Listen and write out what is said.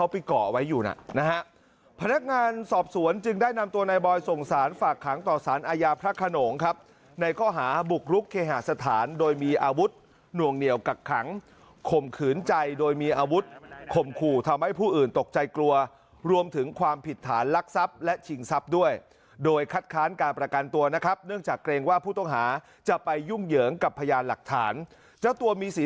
พนักงานสอบสวนจึงได้นำตัวนายบอยส่งสารฝากขังต่อสารอาญาพระขนงครับในข้อหาบุกรุกเคหาสถานโดยมีอาวุธนวงเหนียวกักขังคมขืนใจโดยมีอาวุธคมขู่ทำให้ผู้อื่นตกใจกลัวรวมถึงความผิดฐานลักษัพธ์และฉิงทรัพย์ด้วยโดยคัดค้านการประกันตัวนะครับเนื่องจากเกรงว่าผู้ต